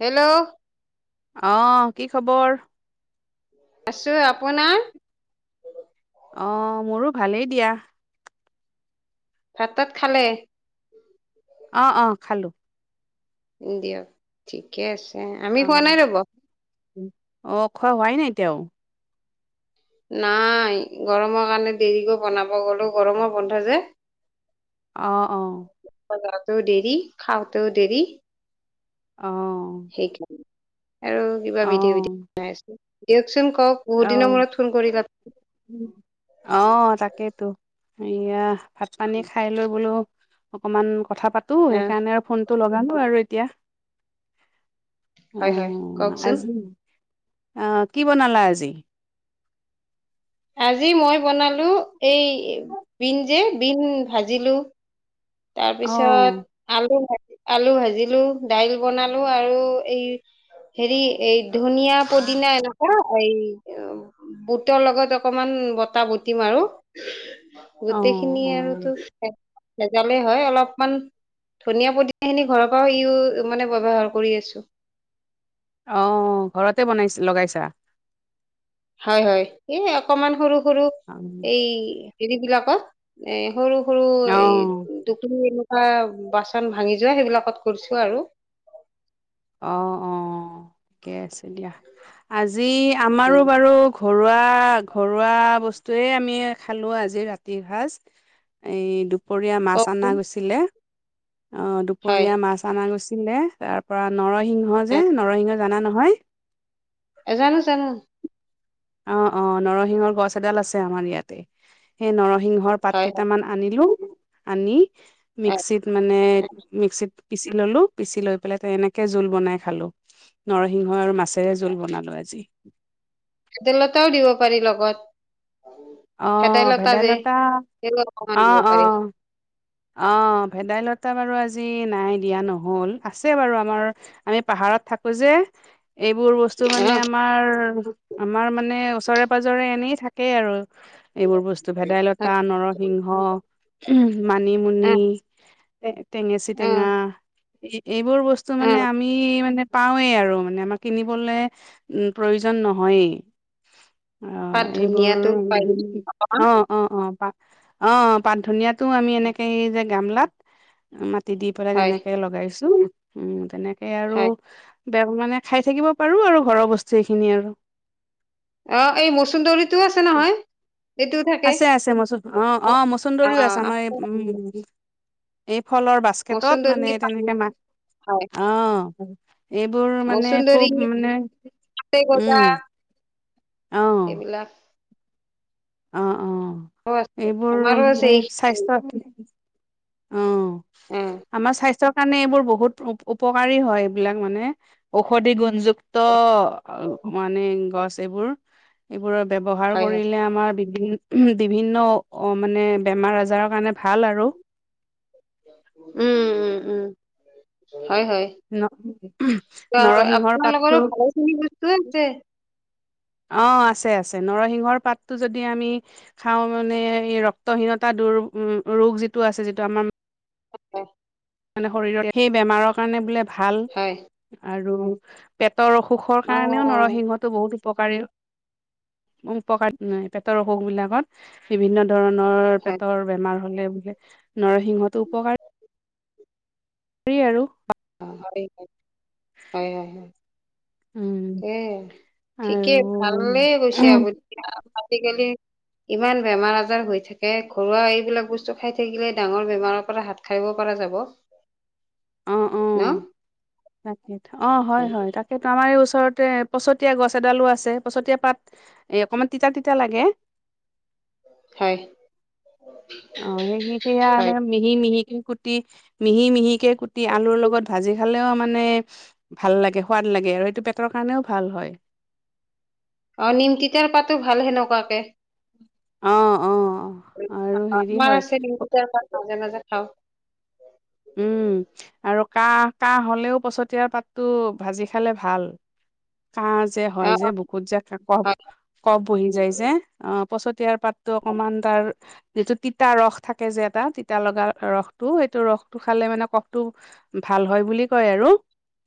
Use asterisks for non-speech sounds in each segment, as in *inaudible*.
Hello. অহ কি খবৰ আছো আপোনাৰ অ মোৰো ভালেই দিয়া ভাত তাত খালে অ অ খালো দিয়ক ঠিকে আছে আমি খোৱা নাই অ', ৰ'ব অ', খোৱা হোৱাই নাই এতিয়াও নাই গৰমৰ কাৰণে দেৰিকৈ বনাব গলো গৰমৰ বন্ধ যে অহ অ ও দেৰি খাওঁতেও দেৰি অ', সেইকাৰণে আৰু কিবা ভিডিঅ' ভডিঅ অ', বনাই আছো কওক চোন কওক বহুত দিনৰ অ', মূৰত ফোন কৰিলা অ', তাকেইতো। এয়া ভাত পানী খাই লৈ বোলো অকমান কথা পাতো আহ সেইকাৰণে আৰু ফোন ফোনটো লগানো আৰু এতিয়া হয় হয় কওকচোন অহ কি বনালা আজি আজি মই বনালো এই বিন যে বিন ভাজিলো অ', তাৰপিছত অ', আলু লাই আলু ভাজিলো দাইল বনালো আৰু এই হেৰি এই ধনিয়া পুদিনা এনেকোৱা এই বুটৰ লগত অকমান বতা বটিম আৰু গোটেইখিনি অ', আৰুতো ভেজালে হয় অলপমান ধনিয়া পদীয়াখিনি ঘৰৰ পৰা ইও মানে ব্যৱহাৰ কৰি আছো অহ ঘৰতে বনাইছ লগাইছা হয় হয় এই অকমান সৰু সৰু অ', এই হেৰি বিলাকত এ সৰু সৰু অ', এই দুখ এ আ বাচন ভাঙি যোৱা সেইবিলাকত কৰিছো আৰু অ অ ঠিকে আছে দিয়া আজি উম আমাৰো বাৰু ঘৰুৱা ঘৰুৱা বস্তুৱেই আমি খালোঁ আজি ৰাতিৰ সাঁজ এই দুপৰীয়া মাছ কওকচোন অনা গৈছিলে অ হয় দুপৰীয়া মাছ অনা গৈছিলে তাৰ পৰা নৰসিংহ যে নৰসিংহ জানা নহয়? এ জানো জানো। অ অ নৰসিংহৰ গছ এডাল আছে আমাৰ ইয়াতে, সেই নৰসি সিংহৰ পাত হয় কেইটামান আনিলো, আনি হয় মিক্সিত মানে হয় মিক্সিত পিচি ললো, পিচি লৈ পেলাই এনেকে জোল বনাই খালো, নৰসিংহ আৰু মাছ। ৰে জোল বনালো আজি। তেলতাও দিব পাৰি লগত। আহ ভেদাইলতা অকমান দিব আহ পাৰি আহ। অ ভেদাইলতা বাৰু আজি নাই দিয়া নহল, আছে বাৰু আমাৰ আমি পাহাৰত থাকো যে। এইবোৰ বস্তু অ মানে আমাৰ, আমাৰ মানে ওচৰে -পাজৰে এনেই থাকে আৰু। এইবোৰ বস্তু ভেদাইলতা, হয় নৰসিংহ উহুম। মানিমুনি, অ টেঙেচি অ টেঙা সেই এইবোৰ বস্তু অ মানে আমি মানে পাওঁৱেই আৰু মানে আমাক কিনিবলে উম প্ৰয়োজন নহয়েই। অ পাত এইবোৰ ধুনীয়াটো পাৰি অকমান অ অ অ পা অ পাত ধনিয়াত ত আমি এনেকে যে গামলাত, মাটি দি পেলাই হয় তেনেকে লগাইছো উম তেনে তাকে আৰু হয় বেয়া মানে খাই থাকিব পাৰো আৰু ঘৰৰ বস্তু এইখিনি আৰু। অ এই মচুন্দৰিটো আছে নহয়ম এইটো আছে আছে মচু অ অ মচুন্দৰীও আছে আমাৰ এই উম ফলৰ বাস্কেটত মানে মচুন্দৰী পাত তেনেকে মা হয় অ এইবোৰ মানে মচুন্দৰী খুব মানে উম। অ সেইবিলাক অ অ, আছে এইবোৰ আমাৰো আছে মানে এইখিনি স্বাস্থ্য অ উম আমাৰ স্বাস্থ্য কাৰণে এইবোৰ বহুত উপকাৰী হয় এইবিলাক মানে ঔষধি গুণযুক্ত অ মানে গছ এইবোৰ, এইবোৰৰ ব্যৱহাৰ হয় হয় কৰিলে আমাৰ বিভি বিভিন্ন মানে বেমাৰ -আজাৰৰ কাৰণে ভাল আৰু। উম উম উম। হয় হয়, ন নৰসিংহৰ আপোনাৰ লগৰো পাতটো ভালেখিনি বস্তু আছে। *inaudible* অ আছে আছে ন, ৰসিংহৰ পাতটো যদি আমি খাওঁ মানে ৰক্তহীনতা দূৰ উম, ৰোগ যিটো আছে যিটো আমাৰ হয় হয়। মানে শৰীৰৰ সেই বেমাৰৰ কাৰণে বোলে ভাল হয় আৰু পেট তৰ অসুখৰ অ কাৰণেও নৰসিংহটো বহুত উপকাৰী, উপকাৰ পেটৰ অসুখবিলাকত বিভিন্ন ধৰণৰ হয় পেটৰ বেমাৰ হ'লে বোলে নৰসিংহতো উপকাৰ ৰি আৰু। হয় হয় হয়। উম এ ঠিকেই আৰু ভালেই কৈছে আপুনি আজিকালি ইমান বেমাৰ -আজাৰ হৈ থাকে, ঘৰুৱা এইবিলাক বস্তু খাই থাকিলে ডাঙৰ বেমাৰৰ পৰা হাত সাৰিব পৰা যাব। অ অ ন তাক অ হয় হয় তাকেতো আমাৰ এই ওচ ওচৰতে পছতীয়া গছ এডালো আছে, পছতীয়া পাত এ অকমান তিতা- তিতা লাগে। *inaudible* হয়। অ সে সেই সেইয়া হয়। মিহি -মিহি কুটি মিহি -মিহিকে কুটি আলুৰ লগত ভাজি খালেও মানে ভাল লাগে সোৱাদ লাগে। সেইটো পেটৰ কাৰণেও ভাল হয় অ নিম তিতা পাতো ভাল সেনেকুৱাকে অ অ আৰু হেৰি আমাৰ হয় আছে নিম তিতা পাত মাজে মাজে খাওঁ উম আৰু কাহ কাহ হলেও পছতিয়াৰ পাতটো ভাজি খালে ভাল কাহ যে হয় অ যে অ বুকুত যে কফ হয় কফ বহি যায় যে অ পছতিয়াৰ পাত টো অকমান তাৰ যিটো তিতা ৰস থাকে যে এটা তিতা লগা ৰসটো সেইটো ৰস টো খালে মানে কফটো ভাল হয় বুলি কয় আৰু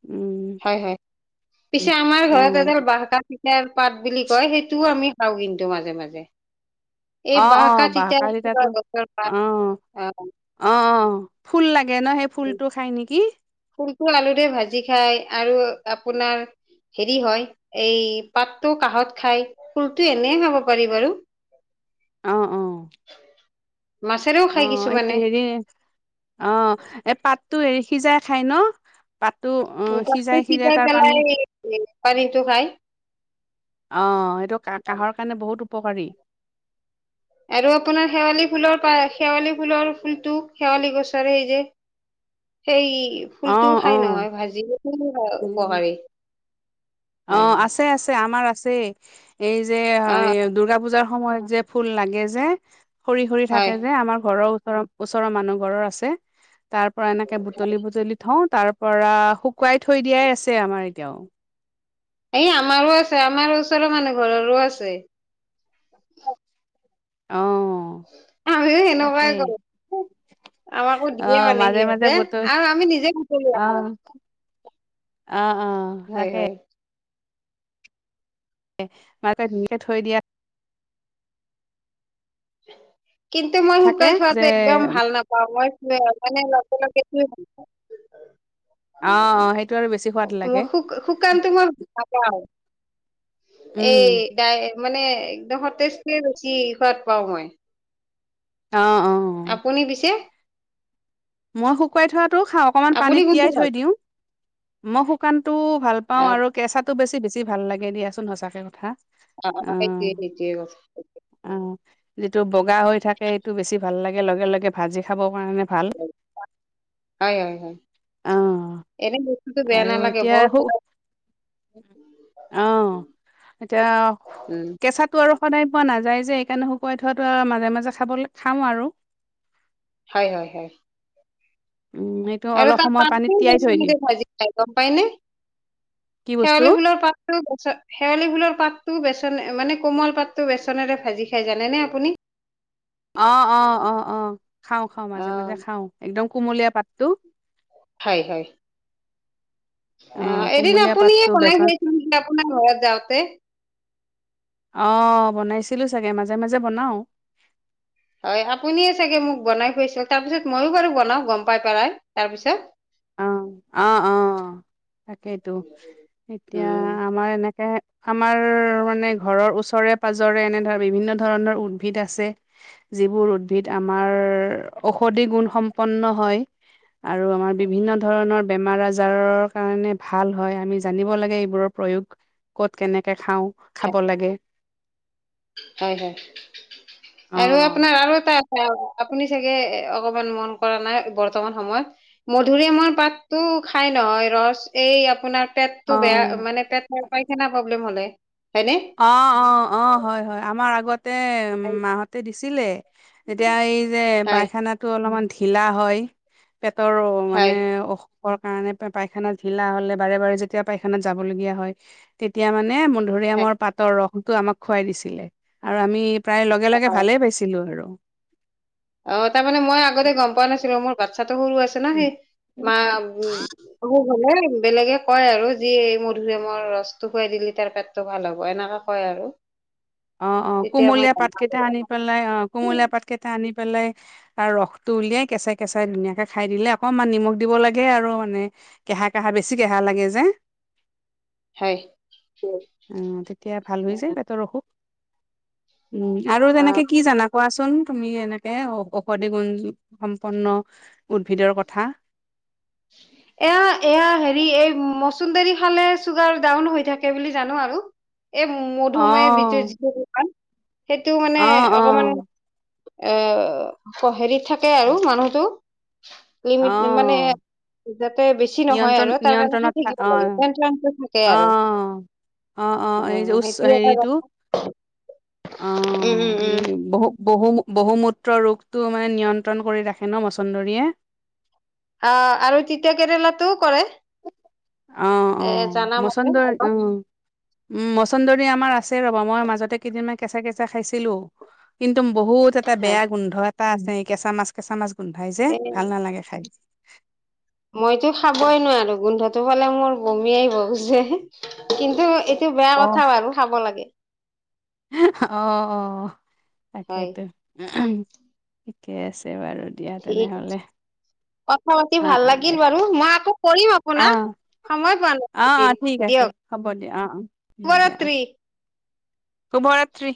উম হয় হয় পিছে আমাৰ অ ঘৰত এডাল বাহকা চিকাৰ পাত বুলি কয় সেইটোও আমি খাওঁ কিন্তু মাজে মাজে এই অ অ বাঁহকা বাহ তিতা কালিতাতো গছৰ অ পাত অ ফুল লাগে ন সেই অ ফুলটো খাই নেকি? ফুলটো আলুৰে ভাজি খায় আৰু আপোনাৰ হেৰি হয় এই পাতটো কাহঁত খায় ফুলটো এনে খাব পাৰি বাৰু অ অ মাছেৰেও অ খাই কিছুমানে এতিয়া হেৰি অ এই পাতটো হেৰি সিজাই খাই ন পাতটো পাতটো সিজাই সিজাই তাৰ পানী পেলাই পানীটো খাই অঁ এইটো ক কাহৰ কাৰণে বহুত উপকাৰী আৰু আপোনাৰ শেৱালি ফুলৰ শেৱালি ফুলৰ ফুলটো শেৱালি গছৰ সেই যে সেই অ', ফুলটোও খাই অ', নহয় ভাজি ফুলো উপকাৰী অ হয় হয় আছে আছে আমাৰ আছে এই যে অ দুৰ্গা পূজাৰ সময়ত যে ফুল লাগে যে সৰি সৰি হয় থাকে যে আমাৰ ঘৰৰ ওচৰৰ ওচৰৰ মানুহ ঘৰৰ আছেতাৰ পৰা এনেকে বুটলি বুটলি থওঁ তাৰ পৰা শুকুৱাই থৈ দিয়াই আছে আমাৰ এতিয়াও এই আমাৰো আছে আমাৰ ওচৰৰ মানে ঘৰৰো আছে। অহ আমিও সেনেকুৱাই কৰো আমাকো দিয়ে অ', মানে মাজে মাজে সিহঁতে বুটল আৰু আমি নিজে অ', অ অ হয় তাকে হয় মাকে ধুনীয়াকে থৈ দিয়া। কিন্তু মই থাকে শুকাই যে থোৱাতো একদম ভাল নাপাওঁ মই ন মানে লগে উম লগ কেতি ভ অ', অ', সেইটো আৰু বেছি সোৱাদ মু লাগে শুকানটো মই ভাপা উম, এই ডাই মানে একদম সতেজকে বেছি সোৱাদ পাওঁ মই। অ অ আপুনি পিছে মই শুকুৱাই থোৱাতটো খা অকণমান আপুনি পানীত কোনটো তিয়াই ভাল থৈ পায়? দিওঁ মই শুকান টো ভাল পাও অ আৰু কেঁচাতো বেছি বেছি ভাল লাগে দিয়াচোন সঁচাকে কে কথা অ সেইটোৱে অ সেইটোৱে যিটো বগা হৈ থাকে সেইটো বেছি ভাল লাগে লগে লগে ভাজি খাবৰ কাৰণে ভাল। হয় হয় হয় অ এনে বস্তুতটো বেয়া আৰু নালাগে এতিয়া বৰ শু অ এতিয়া উম কেঁচাটো সদায় পোৱা নাযায় যে সেইকাৰণে শুকুৱাই থোৱাটো মাজে মাজে খাবলৈ খাওঁ আৰু হয় হয় হয় উম এইটো এইবাৰ অলপ পা ত সময় পানীত পাত তিয়াই থৈ ৰচন দিম দি ভাজি খায় গম পাইনে? কি বস্তু শেৱালি ফুলৰ পাতটো বেচ শেৱালি ফুলৰ পাতটো বেচ মানে কোমল পাতটো বেচনেৰে ভাজি খাই জানে নে আপুনি? অ অ অ অ খাওঁ খাওঁ অ মাজে মাজে খাওঁ একদম কুমলীয়া পাতটো হয়। অ আহ এদিন কুমলীয়া আপুনিয়ে পাতটো মনে বেচন হৈ যে আপোনাৰ ঘৰত যাওঁতে আহ বনাইছিলো চাগে মাজে মাজে বনাও হয় আপুনিয়ে চাগে মোক বনাই খুাইছিল তাৰ পিছত মইো বাৰু বনাওঁ গম পাই পেলাই তাৰপিছত অ অ অ তাকেইতো এতিয়া উম আমাৰ এনেকে আমাৰ মানে ঘৰৰ ওচৰে পাজৰে এনে বিভিন্ন ধৰণৰ উদ্ভিদ আছে যিবোৰ উদ্ভিদ আমাৰ অ ঔষধি গুণ সম্পন্ন হয় আৰু আমাৰ বিভিন্ন ধৰণৰ বেমাৰ আজাৰৰ কাৰণে ভাল হয়। আমি জানিব লাগে এইবোৰৰ প্ৰয়োগ কত কেনেকে খাও খাব হয় লাগে হয় হয় অ আৰু আপোনাৰ আৰু এটা আপুনি চাগে অকমান মন কৰা নাই বৰ্তমান সময়ত মধুৰি আমৰ পাতটো খাই নহয় ৰস এই আপোনাৰ পেটতটো অ বেয়া মানে পেট পাইখা প্ৰব্লেম হলে। হয়নে অ অ অ হয় হয় আমাৰ আগতে হয় মা হতে দিছিলে। এতিয়া এই যে হয় পাইখানাটো অলপমান ঢিলা হয়। পেটৰ মানে হয় অ কাৰণে পাইখানাত ঢিলা হলে বাৰে বাৰে যেতিয়া পায়খানাত যাবলগীয়া হয় তেতিয়া মানে ধৰি হয় আমাৰ পাতৰ ৰসটো আমাক খোৱাই দিছিলে আৰু আমি প্ৰায় লগে লগে অ' ভালেই পাইছিলো আৰু অ তাৰমানে মই আগতে গম পোৱা নাছিলো মোৰ বাচ্ছাতটো সৰু আছে ন সেই উ মা উ অ হলে বেলেগে কয় আৰু যি এই মধুমৰ ৰসটো খুৱাই দিলি তাৰ পেটটো ভাল হ'ব এ তেনেকে কয় আৰু অ অ তেতিয়া মই কুমলীয়া জানো পাত কেইটা আৰু আনি পেলাই অ কুমলীয়া পাত কেইটা আনি পেলাই আৰু ৰসটো উলিয়াই কেঁচাই কেঁচাই ধুনীয়াকে খাই দিলে অকণমান নিমখ দিব লাগে আৰু মানে কেহা কহা বেছি কেহা লাগে যে হয় অ তেতিয়া ভাল হৈ যায় বাটৰ ৰখুক উম আৰু অ তেনেকে কি জানা? কোৱাচোন তুমি এনেকেঔ ঔষধি গুণ সম্পন্ন উদ্ভিদৰ কথা *inaudible* এয়া এয়া হেৰি এই চুন্দৰী খালে চুগাৰ ডাউন হৈ থাকে বুলি জানো আৰু এই মধুমহ বি অ', যিটো দোকান সেইটো মানে অ', অকমান অ', এ হেৰিত থাকে আৰু মানুহতটো লিমিট মানে অ', যাতে বেছি নহয় নিয়ন্ত্ৰণ আৰু তাৰ কাৰণে খাই নিয়ন্ত্ৰণত থা থাকিব লাগে অ', থাকে আৰু অ', অ এই যে উচ্চ সেইটোে এটা হেৰিটো কথা অ উম উম সেই বহু বহু বহুমূত্ৰ ৰোগটো মানে নিয়ন্ত্ৰণ কৰি ৰাখে ন মচন্দৰীয়ে অ আৰু তিতয়া কেৰেলাটোও কৰে আহ অ এ জানা মতে মচন্দৰ অলপ আহ উম মছন্দৰী আমাৰ আছে ৰ'বা মই মাজতে কেইদিনমান কেঁচা কেঁচা খাইছিলো কিন্তু একদম বহুত এটা হয় বেয়া গোন্ধ এটা আছে কেঁচা মাছ কেঁচা মাছ গোন্ধাই যে এ ভাল নালাগে খাই মইতো খাবই নোৱাৰো গোন্ধটো পালে মোৰ বমিয়াই ববু যে কিন্তু এইটো বেয়া অ কথা বাৰু খাব লাগে অ হয় তাকেইটো ঠিকে আছে বাৰু দিয়া ঠিক তেনেহলে কথা পাতি অ ভাল অ দে লাগিল বাৰু মই আকৌ কৰিম অ আপোনাৰ সমাৰ বান অ অ দিন ঠিক আছে দিয় হ'ব দিয়া অ অ হ'ব দিয়া অ শৱৰাতি শুভৰাত্ৰি